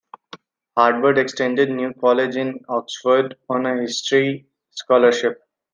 Harrod attended New College in Oxford on a history scholarship.